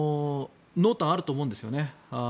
濃淡あると思うんですよね。